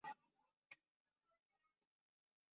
她的作品曾多次在日本获奖并深受好评。